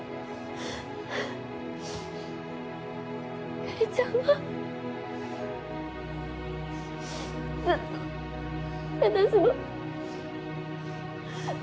ひかりちゃんはずっと私の。